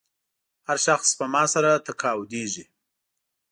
هر شخص سپما سره تقاعدېږي.